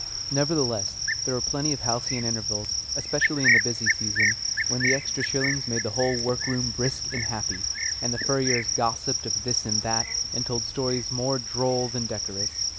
Nevertheless, there were plenty of halcyon intervals, especially in the busy season, when the extra shillings made the whole work room brisk and happy, and the furriers gossiped of this and that, and told stories more droll than decorous.